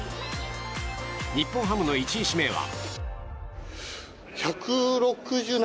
日本ハムの１位指名は。